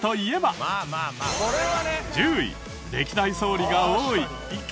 １０位歴代総理が多い。